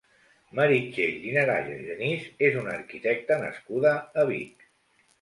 Meritxell Inaraja Genís és una arquitecta nascuda a Vic.